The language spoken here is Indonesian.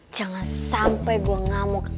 jangan sampai gue ngamuk